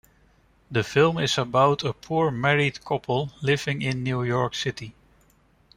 The film is about a poor married couple living in New York City.